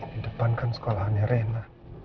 di depan kan sekolahnya rena